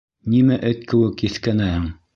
Нимә эт кеүек еҫкәнәһең?